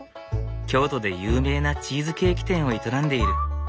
京都で有名なチーズケーキ店を営んでいる。